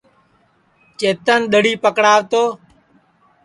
چیتن دؔڑی پکڑاو تو